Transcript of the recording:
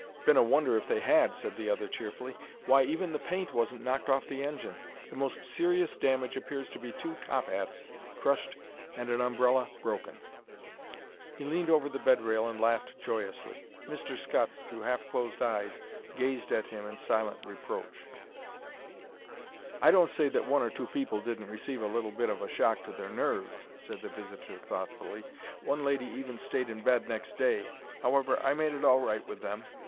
"Been a wonder if they had," said the other, cheerfully. "Why, even the paint wasn't knocked off the engine. The most serious damage appears to be two top hats crushed and an umbrella broken." He leaned over the bed rail and laughed joyously. Mr. Scutts, through half closed eyes, gazed at him in silent reproach. "I don't say that one or two people didn't receive a little bit of a shock to their nerves," said the visitor, thoughtfully. "One lady even stayed in bed next day. However, I made it all right with them.